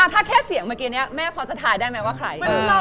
ถ้าแค่เสียงเมื่อกี้นี้แม่พอจะทายได้ไหมว่าใคร